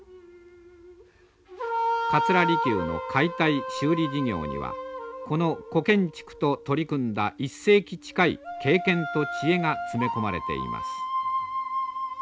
桂離宮の解体修理事業にはこの古建築と取り組んだ１世紀近い経験と知恵が詰め込まれています。